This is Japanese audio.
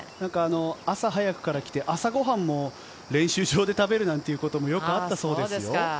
朝早くから来て朝ご飯も練習場で食べるなんてこともよくあったそうです。